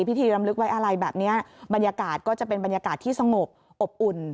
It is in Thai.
รำลึกไว้อะไรแบบนี้บรรยากาศก็จะเป็นบรรยากาศที่สงบอบอุ่น